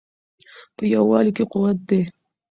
په یووالي کې قوت دی.